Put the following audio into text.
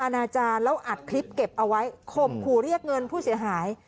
นาจารย์แล้วอัดคลิปเก็บเอาไว้ข่มขู่เรียกเงินผู้เสียหาย